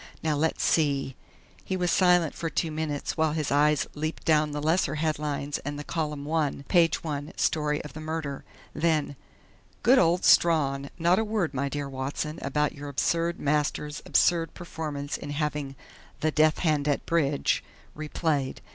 Now let's see " He was silent for two minutes, while his eyes leaped down the lesser headlines and the column one, page one story of the murder. Then: "Good old Strawn! Not a word, my dear Watson, about your absurd master's absurd performance in having 'the death hand at bridge' replayed.